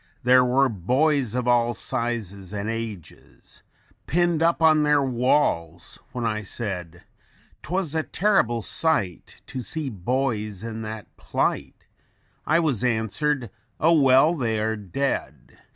_ "_There were boys of all sizes and ages PINNED UP ON THEIR WALLS. When I said 'Twas a terrible sight to see boys in that plight, I was answered: 'OH, WELL THEY ARE DEAD.